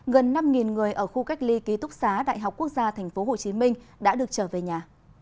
gần năm người ở khu cách ly ký túc xá đại học quốc gia tp hcm đã được trở về nhà